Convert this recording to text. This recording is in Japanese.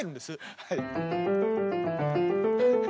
はい。